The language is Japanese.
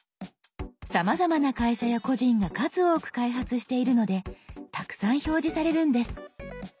さまざまな会社や個人が数多く開発しているのでたくさん表示されるんです。